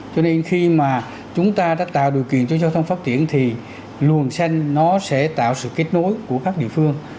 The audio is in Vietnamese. cho nên khi mà chúng ta đã tạo điều kiện cho giao thông phát triển thì luồng xanh nó sẽ tạo sự kết nối của các địa phương